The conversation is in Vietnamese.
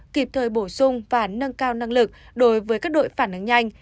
kịp thời bổ sung và nâng cao năng lực đối với các đội phản ứng nhanh